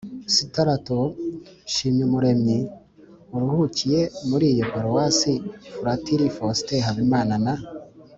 straton nshimyumuremyi uruhukiye muri iyo paruwasi, fratri faustin habimana na